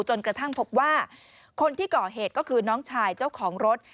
จนกระทั่งพบว่าคนที่ก่อเหตุก็คือน้องชายเจ้าของรถ